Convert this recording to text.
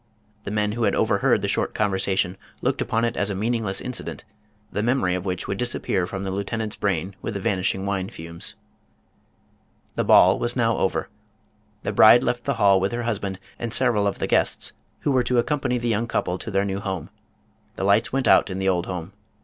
The men who had overheard the short conversation looked upon it as a meaningless incident, the memory of which would disappear from the lieutenant's brain with the vanishing wine fumes. The ball was now over. The bride left the hall with her husband and several of the guests who were to accompany the young couple to their new home. The lights went out in the old house.